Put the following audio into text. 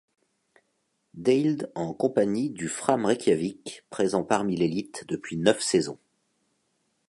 Deild en compagnie du Fram Reykjavik, présent parmi l'élite depuis neuf saisons.